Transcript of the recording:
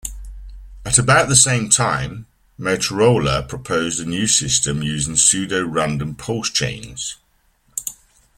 At about the same time, Motorola proposed a new system using pseudo-random pulse-chains.